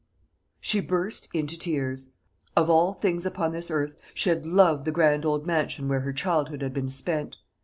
She burst into tears. Of all things upon this earth she had loved the grand old mansion where her childhood had been spent.